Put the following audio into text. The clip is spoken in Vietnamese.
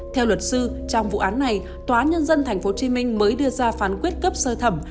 theo luật sư trong vụ án này tòa nhân dân tp hcm mới đưa ra phán quyết cấp sơ thẩm